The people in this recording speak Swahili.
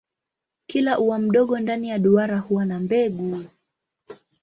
Kila ua mdogo ndani ya duara huwa na mbegu.